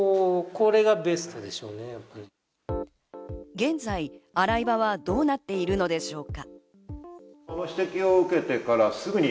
現在、洗い場はどうなっているのでしょうか。